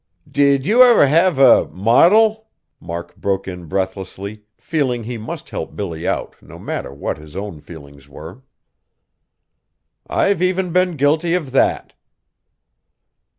"Did you ever have a modil?" Mark broke in breathlessly, feeling he must help Billy out, no matter what his own feelings were. "I've even been guilty of that!"